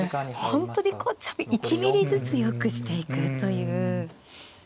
本当にこう１ミリずつよくしていくという。